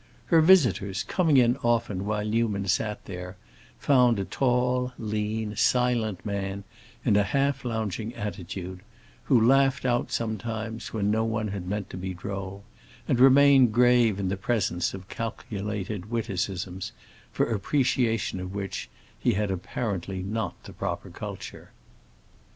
Her visitors, coming in often while Newman sat there, found a tall, lean, silent man in a half lounging attitude, who laughed out sometimes when no one had meant to be droll, and remained grave in the presence of calculated witticisms, for appreciation of which he had apparently not the proper culture.